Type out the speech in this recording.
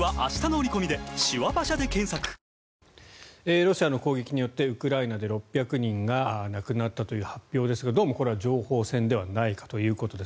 ロシアの攻撃によってウクライナで６００人が亡くなったという発表ですがどうもこれは情報戦ではないかということです。